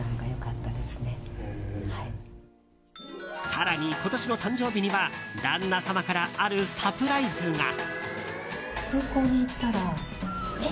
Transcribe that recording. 更に、今年の誕生日には旦那様からあるサプライズが。